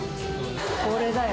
これだよ。